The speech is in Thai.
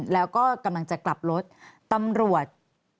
แล้วก็กำลังจะกลับรถตำรวจ